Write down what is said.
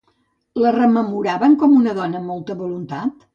La rememoraven com una dona amb molta voluntat?